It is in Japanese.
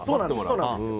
そうなんです。